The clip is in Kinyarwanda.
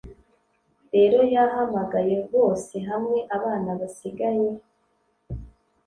rero yahamagaye bose hamwe Abana basigaye